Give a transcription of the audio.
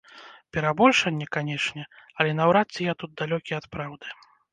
Перабольшанне, канечне, але наўрад ці я тут далёкі ад праўды.